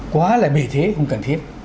quá là bề thế không cần thiết